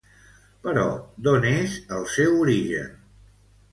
Però d'on és el seu origen?